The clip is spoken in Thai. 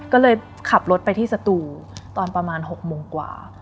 ก็เลยขับรถไปที่สตูตอนประมาณ๖โมงกว่า